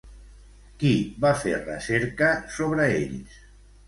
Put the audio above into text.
Qui va fer recerca sobre ells?